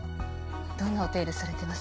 どんなお手入れされてます？